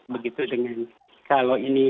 begitu dengan kalau ini